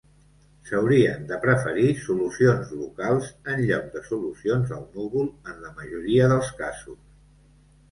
S'haurien de preferir solucions locals en lloc de solucions al núvol en la majoria dels casos.